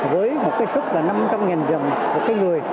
với một cái sức là năm trăm linh nghìn đồng một người